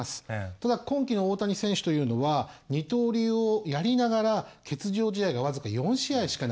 ただ今季の大谷選手というのは二刀流をやりながら欠場試合が僅か４試合しかない。